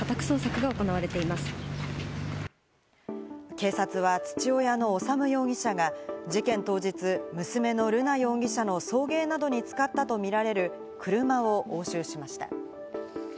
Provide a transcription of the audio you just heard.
警察は父親の修容疑者が事件当日、娘の瑠奈容疑者の送迎などに使ったとみられる車を押収しました。